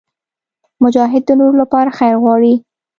مجاهد د نورو لپاره خیر غواړي.